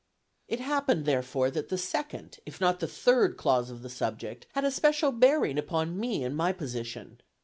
It happened, therefore, that the second, if not the third clause of the subject, had a special bearing upon me and my position.